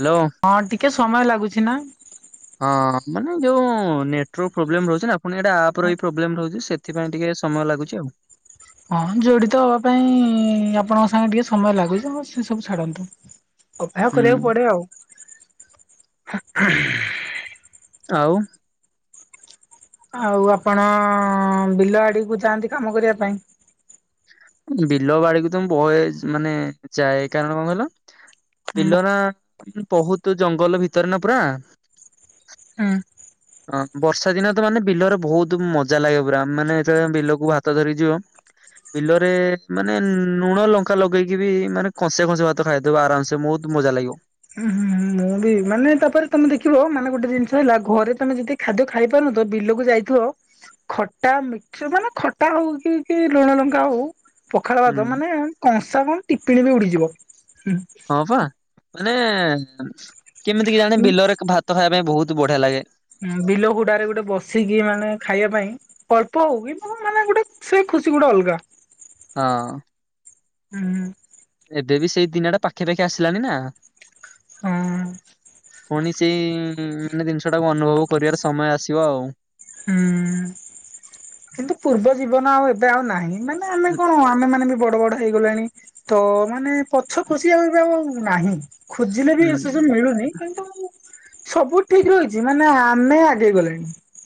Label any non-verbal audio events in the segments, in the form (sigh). Hello ହଁ ଟିକେ ସମୟ ଲାଗୁଛି ନା ହଁ ମାନେ ନେଟୱାର୍କ ପ୍ରୋବଲେମ ରହୁଛି ନା କଣ ଏଟ ଆପ ର ବି ପ୍ରୋବଲେମ ରହୁଛି। ସେଥିପାଇଁ ଟିକେ ସମୟ ଲାଗୁଛି ଆଉ। ହଁ ଜଡିତ ହବା ପାଇଁ ଆପଣଙ୍କ ସାଙ୍ଗେ ଟିକେ ସମୟ ଲାଗୁଛି। ସେ ସବୁ ଛାଡନ୍ତୁ। ଅଭେୟ ହୁଁ କରିବାକୁ ପଡେ ଆଉ (inaudible) (inaudible) ଆଉ। ଆଉ ଆପଣ ବିଲ ବାଡିକୁୁ ଯାଆନ୍ତି କାମ କରିବା ପାଇଁ। ବିଲ ବାଡିକୁ ତ ମୁ ବହେ ମାନେ ଯାଏ କାରଣ କଣ କହିଲ? ହୁଁ ପଲ ନା (inaudible) ବହୁତ ଜଙ୍ଗଲ ଭିତରେ ନା ପୁରା ହଁ (inaudible) ହଁ ବର୍ଷା ଦିନ ତ ମାନେ ବିଲରେ ବହୁତ ମଜା ଲାଗେ ପୁରା ମାନେ ଯେତେବେଳେ ବିଲକୁ ଭାତ ଧରି ଯିବ ବିଲରେ ମାନେ ଲୁଣ ଲଙ୍କା ଲଗେଇକି ବି ମାନେ କଂସେ କଂସେ ଭାତ ଖାଇଦବ ଆରାମସେ ବହୁତ ମଜା ଲାଗିବ। ଉଁ ମୁଁ ବି ମାନେ ତାପରେ ତମେ ଦେଖିବ ମାନେ ଗୋଟେ ଜିନିଷ ହେଲା ଘରେ ତମେ ଯଦି ଖାଦ୍ୟ ଖାଇ ପାରୁନ ତ ବିଲକୁ ଯାଇଥିବ ଖଟା ମିକସ ମାନେ ଖଟା ହଉ କି କି ଲୁଣ ଲଙ୍କା ହଉ ପଖାଳ ଭାତ ହୁଁ ମାନେ କଂସା କଣ ଟିପଣୀ ବି ଉଡିଯିବ। ହୁଁ ହଁ ପା (inaudible) ମାନେ କେମିତି କେଜାଣେ ବିଲରେ ଭାତ ଖାଇବା ପାଇଁ ବହୁତ ବଢିଆ ଲାଗେ। ବିଲ ହୁଡାରେ ଗୋଟେ ବସିକି ମାନେ ଖାଇବା ପାଇଁ ଅଳ୍ପ ହଉ କି ମୁ ମାନେ ଗୋଟେ ସେ ଖୁସି ଗୋଟେ ଅଲଗା‌। ହଁ। ହୁଁ ହଁ (inaudible) ଏବେ ବି ସେଇ ଦିନଟା ପାଖା ପାାଖି ଆସିଲାଣି ନା ହଁ (inaudible) ପୁଣି ସେଇ ମାନେ ଜିନିଷଟାକୁ ଅନୁଭବ କରିବାର ସମୟ ଆସିବ ଆଉ। ହୁଁ କିନ୍ତୁ ପୂର୍ବ ଜୀବନ ଆଉ ଏବେ ଆଉ ନାହିଁ। ମାନେ ଆମେ ଉଁ କଣ ଆମେ ମାନେ ବି ବଡ ବଡ ହେଇଗଲାଣି। ତ ମାନେ ପଛ ଖୋସିବା ପାଇଁ ନାହିଁ। ଖୋଜିଲେ ବି ଏସ ଉଁ ସବୁ ମିଳୁନି କିନ୍ତୁ ସବୁ ଠିକ୍ ରହିଛି ମାନେ ଆମେ ଆଗେଇ ଗଲେଣି ।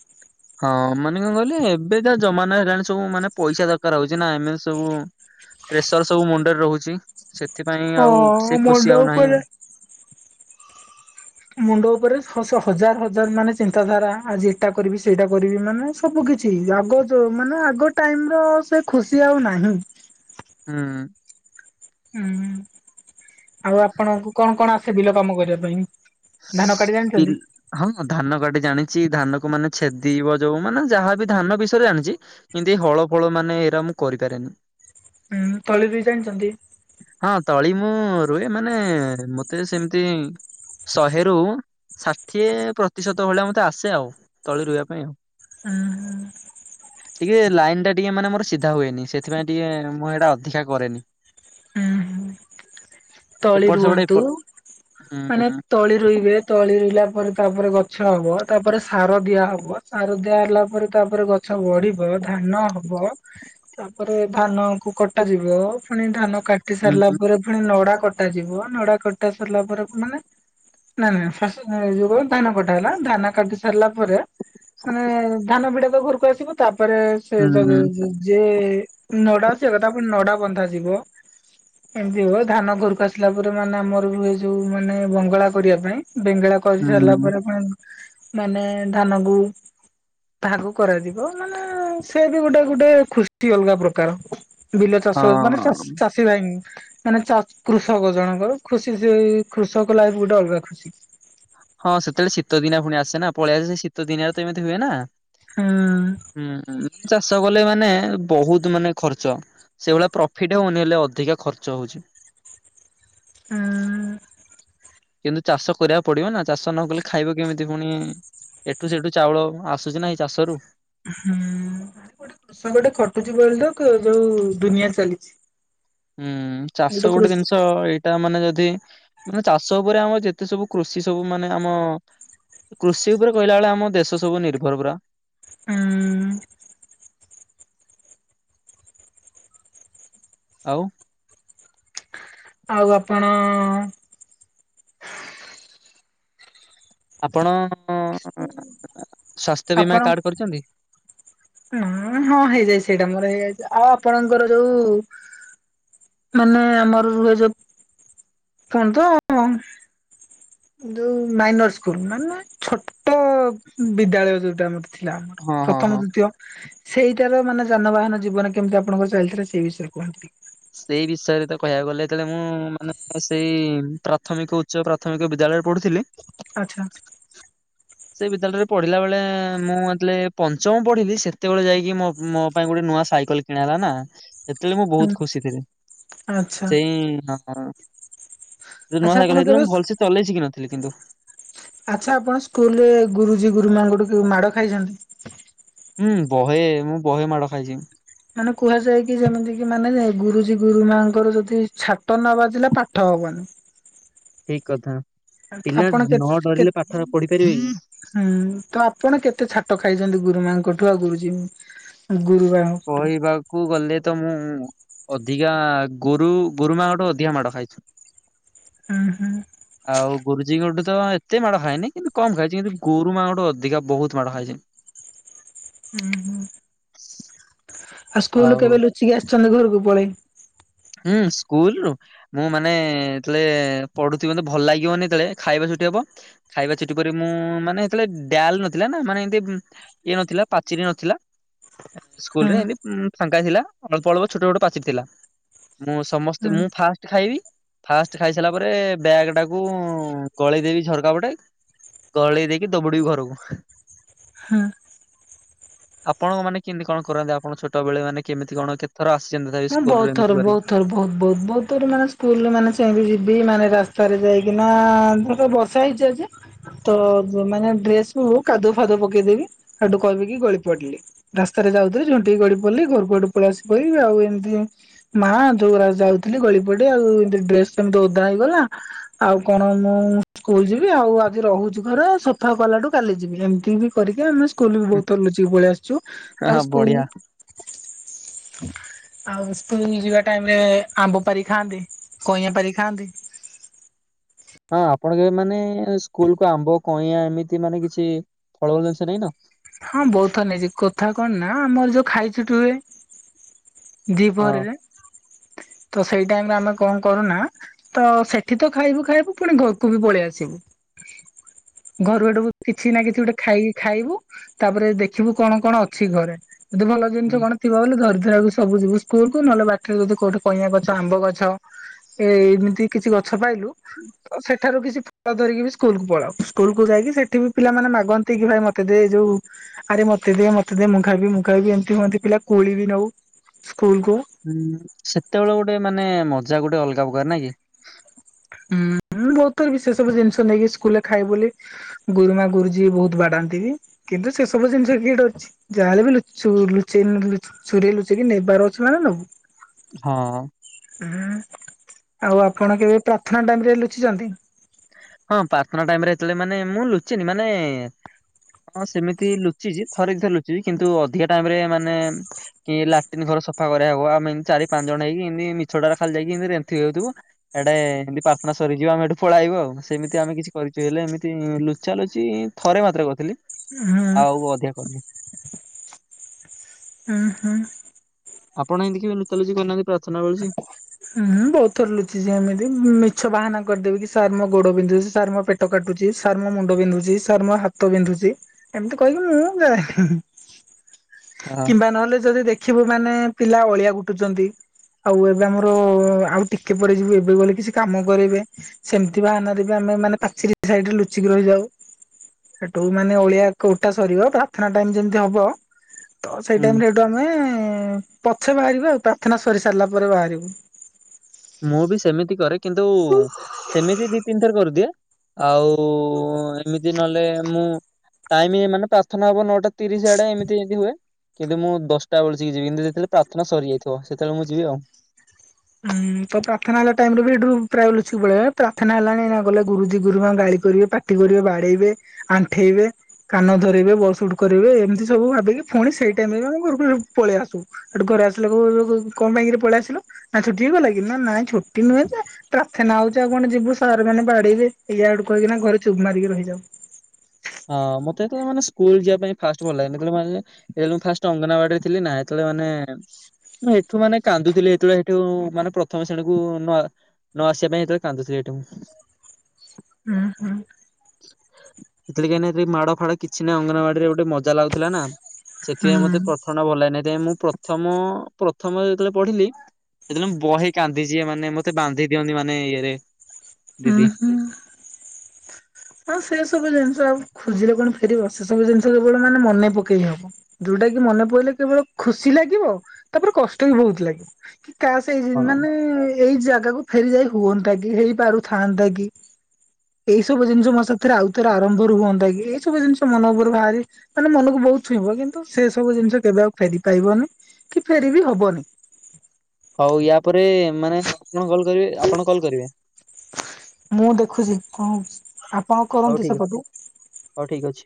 ହଁ ମାନେ କଣ କହିଲେ ଏବେ ଯା ଜମାନା ହେଲାଣି ସବୁ ମାନେ ପଇସା ଦରକାର ହଉଛି ନା ଏମେ ସବୁ ପ୍ରେସର୍ ସବୁ ମୁଣ୍ଡରେ ରହୁଛି । ସେଥିପାଇଁ ଆଉ ହଁ ସେ ମୁଣ୍ଡ ଖୁସି ଆଉ ନାହିଁ ଉପରେ ଆଉ । ମୁଣ୍ଡ ଉପରେ ହସେ ହଜାର ହଜାର ମାନେ ଚିନ୍ତାଧାରା ଆଜି ଏଟା କରିବି ସେଇଟା କରିବି ମାନେ ସବୁ କିିଛି ଆଗ ଯୋ ମାନେ ଆଗ ଟାଇମ ର ସେ ଖୁସି ଆଉ ନାହିଁ । ହୁଁ । ହୁଁ ଆଉ ଆପଣଙ୍କୁ କଣ କଣ ଆସେ ବିଲ କାମ କରିବା ପାଇଁ । ବି ହଁ ଧାନ କାଟି ଜାଣି ଛି ଧାନ କୁ ମାନେ ଛେଦିବ ଯଉ ମାନେ ଯାହାବି ଧାନ ବିଷୟରେ ଜାଣିଛି କିନ୍ତୁ ଏ ହଳ ଫଳ ମାନେ ଏଇରା ମୁଁ କରିପାରେନି । ହୁଁ ତଳିରୁଇ ଜାଣିଚନ୍ତି । ତଳି ମୁଁ ରୁଏ ମାନେ ମତେ ସେମିତି ଶହେରୁ ଷାଠିଏ ପ୍ରତିଶତ ଭଳିଆ ମତେ ଆସେ ଆଉ ତଳି ରୁଇବା ପାଇଁ ଆଉ । ହୁଁ ହୁଁ । ଟିକେ ଲାଇନ ଟା ଟିକେ ମାନେ ମୋର ସିଧା ହୁଏନି ସେଥିପାଇଁ ଟିକେ ମୁଁ ସେଇଟା ଅଧିକା କରେନି । ହୁଁ ହୁଁ ତଳି ରୁଅନ୍ତୁ ମାନେ ହୁଁ ତଳି ରୋଇବେ ତଳି ରୋଇଲା ପରେ ତାପରେ ଗଛ ହବ ତାପରେ ସାର ଦିଆହବ ସାର ଦିଆହଲା ପରେ ତାପରେ ଗଛ ବଢିବ ଧାନ ହବ ତାପରେ ଧାନ କୁ କଟାଯିବ ପୁଣି ଧାନ କାଟି ହୁଁ ସାରିଲା ହୁଁ ପରେ ପୁଣି ନଡା କ୍ କଟା ଯିବ ନଡା କଟା ସାରିଲା ପରେ ମାନେ ନାଇ ନାଇ ଫାଷ୍ଟେ ଯଉ କ ଧାନ କଟା ହେଲା ଧାନ କାଟି ସାରିଲା ପରେ ମାନେ ଧାନ ବିଡା ଘରକୁ ଆସିବ ତାପ୍ ତପରେ ସେ ଯ ହୁଁ ଯେ ନଡ଼ା ଆସିବା କଥା ପୁଣି ନଡ଼ା ବନ୍ଧା ଯିବ ଏମିତି ହୁଏ ଧାନ ଘରକୁ ଆସିଲା ପରେ ମାନେ ଆମର ବି ଏ ଯୋଉ ମାନେ ବଙ୍ଗଳା କରିବା ପାଇଁ । ବେଙ୍ଗେଳା କରି ହୁଁ ସାରିଲା ପରେ ଫୁଣି ମାନେ ଧାନକୁ ତାହାକୁ କରାଯିବ ମାନେ ସେ ବି ଗୋଟେ ଗୋଟେ ଖୁଷ୍ଟି ଅଲଗା ପ୍ରକାର । ବିଲ ଚାଷ ମାନେ ଚାଷ ହଁ। ଚାଷୀ ଭାଇ ମାନେ ଚା କୃଷକ ଜଣକର ଖୁସି ସେ କୃଷକ ଲାଇଫ୍ ଗୋଟେ ଅଲଗା ଖୁସି । ହଁ ସେତେବେଳେ ଶୀତ ଦିନଆ ପୁଣି ଆସେ ନା ପଳେଇଆସ ସେ ଶୀତ ଦିନିଆରେ ତ ଏମିତି ହୁଏ ନା ହୁଁ । ହୁଁ ଉଁ ଚାଷ କଲେ ମାନେ ବୋହୁତ ମାନେ ଖର୍ଚ୍ଚ ସେଇଭଳିଆ ପ୍ରଫିଟ୍ ହୋଉନି ହେଲେ ଅଧିକା ଖର୍ଚ୍ଚ ହୋଉଚି। ହୁଁ। କିନ୍ତୁ ଚାଷ କରିବାକୁ ପଡିବ ନା ଚାଷ ନ କଲେ ଖାଇବ କେମିତି ପୁଣି ଏଠୁ ସେଠୁ ଚାଉଳ ଆସୁଚିନା ଏଇ ଚାଷରୁ। ହୁଁ ଗୋଟେ କୃଷକଟେ ଖଟୁଛି ବୋଲିତ ଥ-ଯୋଉ ଦୁନିଆ ଚାଲିଛି। ହୁଁ ଚାଷ ଗୋଟେ ଜିନିଷ ଏଇଟା ମାନେ ଯଦି ମାନେ ଚାଷ ଉପରେ ଆମ ଯେତେ ସବୁ କୃଷି ସବୁ ମାନେ ଆମ କୃଷି ଉପରେ କହିଲା ଭଳିଆ ଆମ ଦେଶ ସବୁ ନିର୍ଭର ପୁରା। ଉଁ। ଆଉ? ଆଉ ଆପଣ ଆପଣ ଅ-ସ୍ଵାସ୍ଥ୍ୟ ବୀମା କାର୍ଡ କରିଚନ୍ତି। ଉଁ ହଁ ହେଇଯାଇଚି ସେଇଟା ମୋର ହେଇଯାଇଚି ଆଉ ଆପଣଙ୍କର ଯୋଉ ମାନେ ଆମର ରୁହେ ଯୋଉ କଣ ତ ଯୋଉ ମାଇନର ସ୍କୁଲ ମାନେ ଛୋଟ ବିଦ୍ୟାଳୟ ଯୋଉଟା ଆମର ଥିଲା ଆମର ହଁ ହଁ ହଁ। ପ୍ରଥମ ଦ୍ଵିତୀୟ ସେଇଟାର ମାନେ ଯାନବାହାନ ଜୀବନ କେମିତି ଆପଣଙ୍କ ଚାଲଥିଲା ସେଇ ବିଷୟରେ କୁହନ୍ତୁ ଟି ସେଇ ବିଷୟରେ ତ କହିବାକୁ ଗଲେ ଯେତେଳେ ମୁଁ ମାନେ ସେଇ ପ୍ରାଥମିକ ଉଚ୍ଚ ପ୍ରାଥମିକ ବିଦ୍ୟାଳୟରେ ପଢୁଥିଲି ଆଚ୍ଛା ସେ ବିଦ୍ୟାଳୟରେ ପଢିଲା ବେଳେ ମୁଁ ଯେତେବେଳେ ପଞ୍ଚମ ପଢିଲି ସେତେବେଳେ ଯାଇକି ମୋ ମୋ ପାଇଁ ଗୋଟେ ନୂଆ ସାଇକେଲ କିଣା ହେଲା ନା ସେତେଳେ ମୁଁ ହୁଁ ବୋହୁତ ଖୁସି ଥିଲେ ଆଚ୍ଛା ସେଇ ହଁ। ଯୋଉ ନୂଆ ଆଚ୍ଛା ଆପଣ ସାଇକେଲ ଆଇଥିଲା କେବେ ମୁଁ ଭଲସେ ଚଲେଇ ଶିଖିନଥି ଥିଲି କିନ୍ତୁ ଆଚ୍ଛା ଆପଣ ସ୍କୁଲରେ ଗୁରୁଜୀ ଗୁରୁମାଙ୍କ ଠୁ କେବେ ମାଡ ଖାଇଛନ୍ତି? ହୁଁ ବହେ ମୁଁ ବହେ ମାଡ ଖାଇଛି। ମାନେ କୁହାଯାଏ କି ଯେମିତି କି ମାନେ ଗୁରୁଜୀ ଗୁରୁ ମାଙ୍କର ଯଦି ଛାଟ ନ ବାଜିଲା ପାଠ ହବନି। ଠିକ କଥା। ପିଲା ଆପଣ କେତ ନ କେ ଡରିଲେ ପାଠ ପଢି ପାରିବେ କି? ହୁଁ ତ ଆପଣ କେତେ ଛାଟ ଖାଇଛନ୍ତି ଗୁରୁମାଙ୍କୁ କୁଠୀବା ଗୁରୁଜି କହିବାକୁ ଗଲେ ତ ମୁଁ ଅଧିକା ଗୁରୁ ଗୁରୁମାଙ୍କଠୁ ଅଧିକା ମାଡ଼ ଖାଇଛି। ହୁଁ ହୁଁ ଆଉ ଗୁରୁଜୀ ଗୋଟେ ତ ଏତେ ମାଡ଼ ଖାଇନି କିନ୍ତୁ କମ ଖାଇଛି କିନ୍ତୁ ଗୁରୁମାଙ୍କଠୁ ଅଧିକା ବହୁତ ମାଡ ଖାଇଛି। ହୁଁ ହୁଁ। (unintelligible) ଆଉ ସ୍କୁଲ କେବେ ଲୁଚିକି ଆସିଛନ୍ତି ଘରକୁ? କୁ ପଳେଇ ହୁଁ ସ୍କୁଲରୁ ମୁଁ ମାନେ-ଏ-ଏ-ଏ ଯେତେବେଳେ ପଢୁଥିବି ମୋତେ ଭଲ ଲାଗିବନି ଯେତେଳେ ଖାଇବା ଛୁଟି ହବ ଖାଇବା ଛୁଟି ପରେ ମୁଁ-ଉ-ଉ-ଉ ମାନେ ସେତେବେଳେ ଡାଲ ନଥିଲା ନା ମାନେ ଏମତି ଇଏ ନଥିଲା ପାଚେରି ନଥିଲା, ହଁ ସ୍କୁଲରେ ଏମିତି ଉମ୍-ମ୍-ମ୍ ଫାଙ୍କା ଥିଲା ଆମେ ପଳଉ ଛୋଟ ଛୋଟ ପାଚେରୀ ଥିଲା। ମୁଁ ସମସ୍ତେ ହଁ ମୁଁ ଫାଷ୍ଟ ଖାଇବି, ଫାଷ୍ଟ ଖାଇ ସାରିଲା ପରେ ବ୍ୟାଗ ଟାକୁ-ଉ-ଉ-ଉ-ଉ ଗଳେଇଦେବି ଝରକା ପଟେ ଗଳେଇ ଦେଇକି ଦବଡିବି ଘରକୁ। ହଁ। ଆପଣଙ୍କ ମାନେ କେମିତି କଣ କରନ୍ତି ଆପଣଙ୍କ ଛୋଟବେଳେ ମାନେ କେମିତି କଣ କେତଥର ଚିନ୍ତା ଥାଏ ମୁଁ ବହୁତ ସ୍କୁଲରୁ ଥର ଏମିତି କରି। ବହୁତ ଥର ବହୁତ ବହୁତ ବହୁତ ଥର ମାନେ ସ୍କୁଲରେ ମାନେ ସେମତି ଯିବି ମାନେ ରାସ୍ତାରେ ଯାଇକିନା-ଆ-ଆ-ଆ-ଆ-ଆ ଧରିକି ବର୍ଷା ହେଇଛି ଆଜି ତ ମ ମାନେ ଡ୍ରେସ ଓ ହ କାଦୁ ଫାଦୁ ପକେଇଦେବି। ହେଠୁ କହିବି କି ଗଳି ପଡିଲି ରାସ୍ତାରେ ଯାଉଥିଲି ଝୁଣ୍ଟିକି ଗଳି ପଡିଲି ଘରକୁ ଆଠୁ ପଳେଇ ଆସି ପଡିଲି ଆଉ ଏମିତି ମା ଯୋଉ ଯାଉଥିଲି ଗଳି ପଡେ ଆଉ ଏମତି ଡ୍ରେସ ସେମିତି ଓଦା ହେଇଗଲା ଆଉ କଣ ମୁଁ ସ୍କୁଲ ଯିବି ଆଉ ଆଜି ରହୁଛି ଘରେ ସଫା କଲାଠୁ କାଲି ଯିବି। ଏମିତି ବି କରିକି ଆମେ ସ୍କୁଲ ବି ବହୁତ ଥର ନୁଚିକି ପଳେଇଆସୁ। ଛୁ ତା ହଁ ସ୍କୁଲ ବଢିଆ। ହ। ଆଉ ସ୍କୁଲ ଯିବା ଟାଇମରେ-ଏ-ଏ ଆମ୍ବ ପାରି ଖାଆନ୍ତି କଇଁଆ ପାରି ଖାଆନ୍ତି। ହଁ ଆପଣଙ୍କ ମାନେ-ଏ-ଏ-ଏ ସ୍କୁଲ କୁ ଆମ୍ବ କଇଁଆ ଏମିତି ମାନେ କିଛି ଫଳୂଳ ଜିନିଷ ନେଇନ। ହଁ ବହୁତ ଥର ନେଇଛି କଥା କଣ ନା ଆମର ଯୋଉ ଖାଇଛୁଟି ହୁଏ ହଁ। ଦିପରେ ତ ସେଇ ଟାଇମରେ ଆମେ କଣ କରୁନା ତ ସେଠି ତ ଖାଇବୁ ଖାଇବୁ ପୁଣି ଘରକୁ ବି ପଳେଇ ଆସିବୁ। ଘରୁ ଏଠୁ କିଛି ନା କିଛି ଗୋଟେ ଖାଇକି ଖାଇବୁ ତାପରେ ଦେଖିବୁ କଣ କଣ ଅଛି ଘରେ? ଭଲ ଜିନିଷ ହୁଁ କଣ ଥିବା ବୋଲି ଧରିକି ଏରାକୁ ସବୁ ଯିବୁ ସ୍କୁଲକୁ ନହେଲେ ବାଟରେ ଯଦି କୋଉଠି କଇଁଆ ଗଛ ଆମ୍ବ ଗଛ ଏ ଏମିତି କିଛି ଗ ଛ ପାଇଲୁ ଅ ସେଠାରୁ କିଛି ଧରିକି ବି ସ୍କୁଲକୁୁ ପଳାଉ ସ୍କୁଲକୁ ଯାଇକି ସେଠି ବି ପିଲାମାନେ ମାଗନ୍ତି କି ଭାଇ ମତେ ଦେ ଯୋଉ ଆରେ ମତେ ଦେ ମତେ ଦେ ମୁଁ ଖାଇବି ମୁଁ ଖାଇବି ଏମତି ହୁଅନ୍ତି ପିଲା କୋଳି ବି ନୋଉ। ହୁଁ ସେତେବେଳେ ଗୋଟେ ମାନେ ମଜା ଗୋଟେ ଅଲଗା ପକାର ନାଇଁ କି। ହୁଁଁ ବୋହୁତ ଥର ବି ସେ ସବୁ ଜିନିଷ ନେଇକି ସ୍କୁଲରେ ଖାଇବୁ ବୋଲି ଗୁରୁମା ଗୁରୁଜୀ ବୋହୁତ ବାଡାନ୍ତି ବି କିନ୍ତୁ ସେସବୁ ଜିନିଷ କିଏ ଡରଚି ଯାହାହଲେ ବି ଲୁଚୁ ଲୁଚେଇକି ଚୋରେଇକି ଲୁଚେଇକି ନେବାର ଅଛି ମାନେ ନେବୁ। ହଁ। ହୁଁ ଆଉ ଆପଣ କେବେ ପ୍ରାର୍ଥନା ଟାଇମରେ ଲୁଚିଚନ୍ତି? ହଁ ପ୍ରାର୍ଥନା ଟାଇମରେ ଯେତୋଳେ ମାନେ ମୁଁ ଲୁଚିନି ମାନେ ହଁ ସେମିତି ଲୁଚିଚି ଥରେ ଦିଥରେ ଲୁଚିଚି କିନ୍ତୁ ଅଧିକା ଟାଇମରେ ମାନେ କି ଲାଟ୍ରିନ୍ ଘର ସଫାକରିବା ହବ ଆମେ ଏମତି ଚାରି ପାଞ୍ଚ ଜଣ ହେଇକି ଏମତି ମିଛଟା ଖାଲି ଯାଇକି ଏମତି ରେନ୍ଥି ହେଉଥିବୁ ୟାଡେ ଏମିତି ପ୍ରାର୍ଥନା ସରିଯିବ ଆମେ ହେଠୁ ପଳାଇବୁ ଆଉ। ସେମିତି ଆମେ କିଛି କରିଚୁ ହେଲେ ଏମିତି ଲୁଚାଲୁଚି ଥରେ ମାତ୍ରେ କରିଥିଲି। ହୁଁ ଆଉ ଅଧିକା କରନି। ହୁଁ ହୁଁ। ଆପଣ ଏମିତି କେବେ ଲୁଚାଲୁଚି କରିନାହାନ୍ତି ପ୍ରାର୍ଥନା ବଳୁଛି? ହୁଁ ବହୁତ ଥର ଲୁଚିଛି ଏମିତି ମିଛ ବାହାନା କରିଦେବ କି ସାର୍ ମୋ ଗୋଡ ବିନ୍ଧୁଚି, ସାର୍ ମୋ ପେଟ କାଟୁଚି, ସାର୍ ମୋ ମୁଣ୍ଡ ବିନ୍ଧୁଚି, ସାର୍ ମୋ ହାତ ବିନ୍ଧୁଚି ଏମିତି କହିକି ମୁଁ ଯାଏ। ହଁ କିମ୍ବା ନହଲେ ଯଦି ଦେଖିବୁ। ମାନେ ପିଲା ଅଳିଆ ଗୋଟଉଚନ୍ତି। ଆଉ ଏବେ ଆମର ଆଉ ଟିକେ ପ ଯିବୁ ଏବେ ବ କିଛି କାମ କରବେ, ସେମିତି ବାହାନାରେ ବି ଆମେ ମାନେ ପାଚର ସାଇରେ ଲୁଚିକି ରହିଯାଉ। ସେଠୁ ମାନେ ଅଳିଆଟା ସରିବ ପ୍ରାର୍ଥନା ଟାଇମ ଯେମିତି ହବ ତ ସେଇ ହୁଁ। ଟାଇମରେ ଏଇଠୁ ଆମେ ପଛେ ବାହାରିବି ଆଉ ପ୍ରାର୍ଥନା ସରି ସାରିଲା ପରେ ବାହାରିବୁ। ମୁଁ ବି ସେମିତି କରେ। କିନ୍ତୁ ସେମିତି ଦି ତିନି ଥର କରିଦିଏ। ଆଉ ଏମିତି ନହେଲେ ମୁଁ ଟାଇମ ମାନେ ପ୍ରାର୍ଥନା ହବ ନଅଟା ତିରିଶ ଆଡେ ଏମିତି ଏମିତି ହୁଏ। କିନ୍ତୁ ମୁଁ ଦଶଟା ବେସିକି ଯିବି କିନ୍ତୁ ଯେତେବେଳେ ପ୍ରାର୍ଥନା ସରିଯାଇଥିବ ସେତେବେଳେ ମୁଁ ଯିବି ଆଉ। ହୁଁ ତ ପ୍ରାର୍ଥନା ହେଲା ଟାଇମ ରେ ବି ଏଠୁ ପ୍ରାୟ ଲୁଚିକକୁ ପଳେଇଲା ପ୍ରାର୍ଥନା ହେଲାଣି ନା ଗଲେ ଗୁରୁଜି ଗୁରୁମା ଗାଳି କରିବେ ପାଟି କରିବେ ବାଡେଇବେ ଆଣ୍ଠେଇବେ କାନ ଧରାଇବେ ବସ ଉଠ କରିବେ। ଏମିତି ସବୁ ଭାବିକି ପୁଣି ସେଇ ଟାଇମ ରେ ବି ଆମେ ଘର ପଳେଇ ଆସୁ ସେଠୁ ଘରେ ଆସିଲା କଣ ପାଇଁକ ପଳେଇ ଆସିଲୁ। ନା ଛୁଟି ଗଲା କି ନା ନାଇଁ ଛୁଟି ନୁହେଁ ଯେ ପ୍ରାର୍ଥନା ହଉଚି ଆଉ କଣ ଯିବୁ ସାର୍ ମାନେ ବାଡେଇବେ ଏଇଆ ଆଡୁ କହିକିନା ଘରେ ଚୁପ୍ ମାରିକି ରହିଯାଉ। ହଁ ମତେ ଯେତେବେଳେ ମାନେ ସ୍କୁଲ ଯିବା ପାଇଁ ଫାଷ୍ଟ ଭଲ ଲାଗେନି। ଯେତେବେଳେ ମୁଁ ଫାଷ୍ଟ ଅଙ୍ଗନବାଡିରେ ଥିଲି ନା, ସେତେବେଳେ ମୁଁ ଏଠୁ ମାନେ କାନ୍ଦୁଥିଲି ଏଠୁ ଯଉ ମାନେ ପ୍ରଥମ ଶ୍ରେଣୀକୁ ନ ଆସି ନ ଆସିବା ପାଇଁତବେଳେ କାନ୍ଦୁିଥିଲି ମୁଁ। ହୁଁ ହୁଁ। ଏଥିଲେ କାହିଁକି ନା ମାଡ ଫାଡ କିଛି ନାହିଁ ଅଙ୍ଗନବାଡିରେ ଗୋଟେ ମଜା ଲାଗୁଥିଲା ନା। ସେଥିପାଇଁ ହୁଁ ମତେ ପ୍ରଥମ ଟା ଭଲ ଲାଗେ ନାହିଁ। ମୁଁ ପ୍ରଥମ ପ୍ରଥମ ଯେତେବେଳେ ପଢିଲି, ସେତେବେଳେ ମୁଁ ବହେ କାନ୍ଦିଚି। ମାନେ ମତେ ବାନ୍ଧି ଦିଅନ୍ତି ମାନେ ଇଏରେ। ହୁଁ ଦିଦି। ହୁଁ। ହଁ ସେ ସବୁ ଜିନିଷ ଆଉ ଖୋଜିଲେ କଣ ଫେରିବ? ସେ ସବୁ ଜିନିଷ କେବଳ ମାନେ ମନେ ପକେଇ ହବ ଯୋଉଟା କି ମନେ ପକେଇଲେ କେବଳ ଖୁସି ଲାଗିବ, ଆଉ ତାପରେ କଷ୍ଟ ବି ବହୁତ ଲାଗିବ। କାଶ୍ ଏଇ ହଁ ମାନେ ଏଇ ଜାଗାକୁୁ ଫେରି ଯାଇ ହୁଅନ୍ତା କି, ହେଇପାରୁ ଥାନ୍ତା କି ଏଇ ସବୁ ସବୁ ଜିନିଷ ମୋ ସାଥିରେ ଆଉଥରେ ଆରମ୍ଭ ର ହୁଅନ୍ତା କି ।ଏଇ ସବୁ ଜିନିଷ ମନ ଉପରେ ବାହାରି ମାନେ ମନକୁ ବହୁତ ଛୁଇଁବ ।କିନ୍ତୁ ସେ ସବୁ ଜିନିଷ କେବେ ଆଉ ଫେରି ପାଇବନି କି ଫେର ବିି ହବନି। ହଉ ଇଆ ପ ରେ ମାନେ ଆପଣ କଲ କରିବେ ଆପଣ କଲ୍ କରିବେ। ମୁଁ ଦେଖୁଚି କଣ। ଆପଣ ହଉ କରନ୍ତୁ ଠିକ ସେପଟୁ। ହଉ ଠିକ ଅଛି।